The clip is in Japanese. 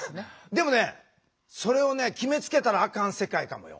でもねそれを決めつけたらあかん世界かもよ。